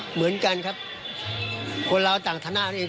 เหมือนกันครับคนเราต่างฐานะของตัวเอง